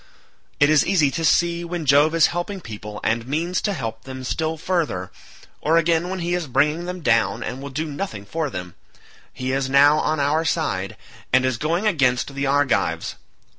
It is easy to see when Jove is helping people and means to help them still further, or again when he is bringing them down and will do nothing for them; he is now on our side, and is going against the Argives.